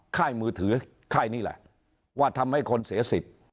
ไข้มือถือไข้นี่แหละว่าทำให้คนเสียสิบ